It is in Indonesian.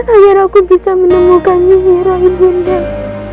agar aku bisa menemukannya ibu nang